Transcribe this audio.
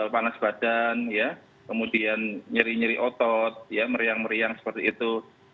panas badan kemudian nyeri nyeri otot meriang meriang seperti itu